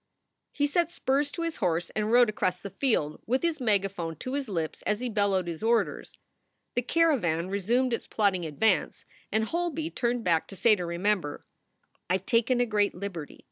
He set spurs to his horse and rode across the field, with his megaphone to his lips as he bellowed his orders. The caravan resumed its plodding advance, and Holby turned back to say to Remember: "I ve taken a great liberty.